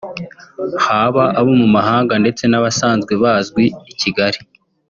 haba abo mu mahanga ndetse n’abasanzwe bazwi i Kigali